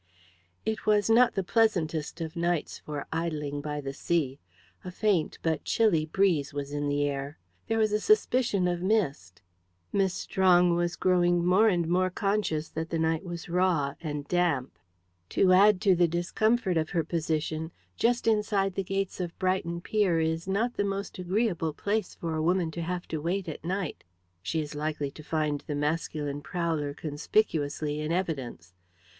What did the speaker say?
It was not the pleasantest of nights for idling by the sea. A faint, but chilly, breeze was in the air. There was a suspicion of mist. Miss Strong was growing more and more conscious that the night was raw and damp. To add to the discomfort of her position, just inside the gates of Brighton pier is not the most agreeable place for a woman to have to wait at night she is likely to find the masculine prowler conspicuously in evidence.